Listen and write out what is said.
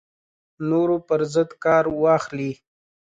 نورو پر ضد کار واخلي